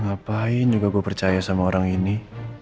ngapain juga gue percaya sama orang ini